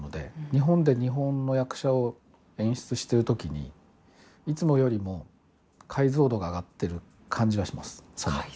日本で日本の役者を演出しているときにいつもよりも解像度が上がっている感じはします。